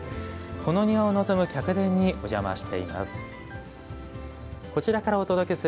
この庭を望む客殿にお邪魔しています。